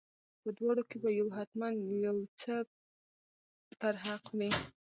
په دواړو کې به یو حتما یو څه پر حق وي.